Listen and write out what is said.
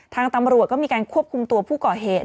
ทางตำรวจก็มีการควบคุมตัวผู้ก่อเหตุ